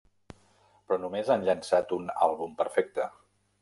Però només han llançat un àlbum perfecte.